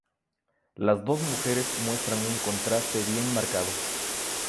Las dos mujeres muestran un contraste bien marcado.